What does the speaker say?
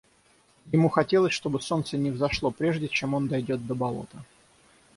Ему хотелось, чтобы солнце не взошло прежде, чем он дойдет до болота.